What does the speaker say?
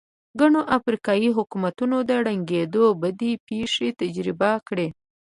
ګڼو افریقايي حکومتونو د ړنګېدو بدې پېښې تجربه کړې.